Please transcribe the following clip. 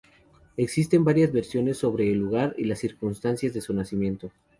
Existen varias versiones sobre el lugar y las circunstancias de su nacimiento.